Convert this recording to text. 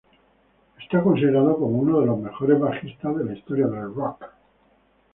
Es considerado como uno de los mejores bajistas de la historia del rock.